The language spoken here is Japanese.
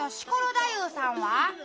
太夫さんは。